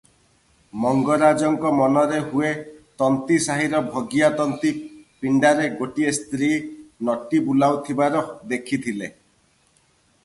ମଙ୍ଗରାଜଙ୍କ ମନରେ ହୁଏ ତନ୍ତୀ ସାହିର ଭଗିଆ ତନ୍ତୀ ପିଣ୍ତାରେ ଗୋଟିଏ ସ୍ତ୍ରୀ ନଟି ବୁଲାଉଥିବାର ହେଖିଥିଲେ ।